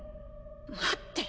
待って。